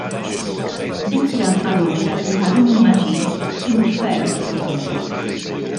Bikram Arora u Haroon Majeed kienu ferm dominanti.